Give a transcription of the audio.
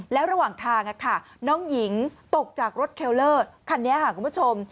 แล้วระหว่างทางน้องหญิงตกจากรถเทลเลอร์คันนี้ค่ะคุณผู้ชม